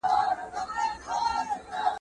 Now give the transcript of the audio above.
د ادارې مدیر زما په صداقت باندې پوره ډاډه دی.